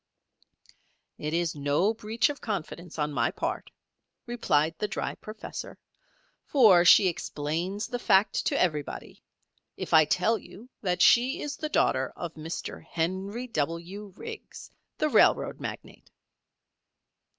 "It is no breach of confidence on my part," replied the dry professor, "for she explains the fact to everybody, if I tell you that she is the daughter of Mr. Henry W. Riggs, the railroad magnate."